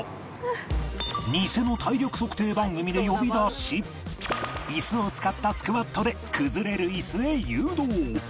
偽の体力測定番組で呼び出しイスを使ったスクワットで崩れるイスへ誘導